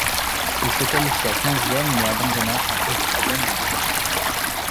Il se qualifia quinzième mais abandonna à cause de problèmes de direction.